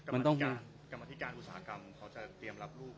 มันต้องมีประมาทิการอุตสาหกรรมเขาจะเตรียมรับลูก